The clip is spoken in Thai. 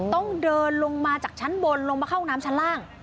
ต้องเดินลงมาจากชั้นบนลงมาเข้าน้ำชั้นล่าง